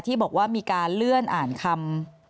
ที่บอกว่ามีการเลื่อนอ่านคำ